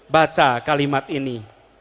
baca kalimat ini